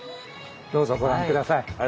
どうぞご覧下さい。